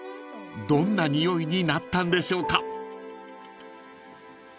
［どんなにおいになったんでしょうか］